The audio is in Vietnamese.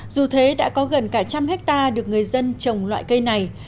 dù thế đã có gần cả trăm hectare được người dân trồng loại cây này